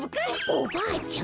おおばあちゃん。